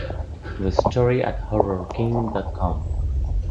The story at HorrorKing.com